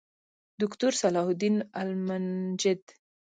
دوکتور صلاح الدین المنجد